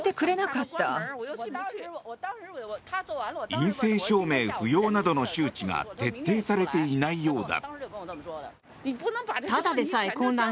陰性証明不要などの周知が徹底されていないようだ。